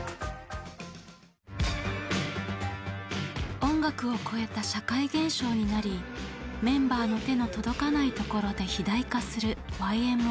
音楽を超えた社会現象になりメンバーの手の届かないところで肥大化するＹＭＯ。